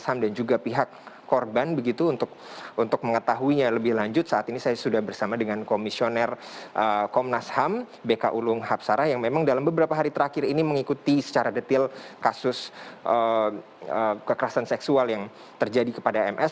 ham dan juga pihak korban begitu untuk mengetahuinya lebih lanjut saat ini saya sudah bersama dengan komisioner komnas ham bk ulung hapsara yang memang dalam beberapa hari terakhir ini mengikuti secara detil kasus kekerasan seksual yang terjadi kepada ms